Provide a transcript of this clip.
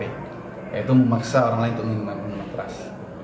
yaitu memaksa orang lain untuk minuman minuman keras